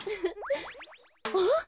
あっ？